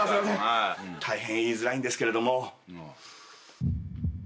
大変言いづらいんですけれども。